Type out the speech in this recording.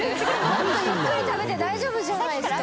もっとゆっくり食べて大丈夫じゃないですか。